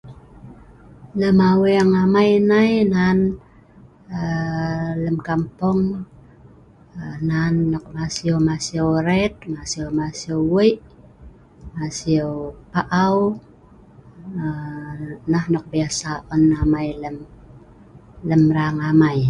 Lem aweeng amai nai nan aa lem kampung nan nok masiu masiu ret' nan masiu masiu wei', masiu pa'au. Aa nah nok biasa on amai lem raeng amai.